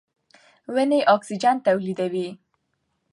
ونې اکسیجن تولیدوي.